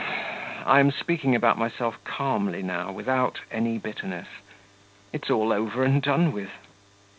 I am speaking about myself calmly now, without any bitterness.... It's all over and done with!